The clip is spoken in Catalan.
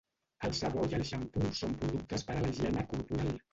El sabó i el xampú són productes per a la higiene corporal.